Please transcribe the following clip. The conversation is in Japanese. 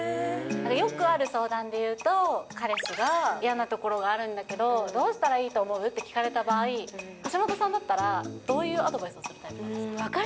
よくある相談でいうと、彼氏が嫌なところがあるんだけど、どうしたらいいと思う？って聞かれた場合、橋本さんだったら、どういうアドバイスをするタイプなんですか？